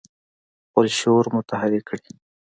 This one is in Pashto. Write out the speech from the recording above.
خپل شعور متحرک کړي.